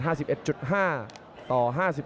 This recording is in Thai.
ต่อ๕๒๕กิโลกรัมครับ